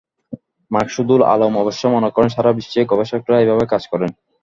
মাকসুদুল আলম অবশ্য মনে করেন সারা বিশ্বেই গবেষকেরা এভাবে কাজ করেন।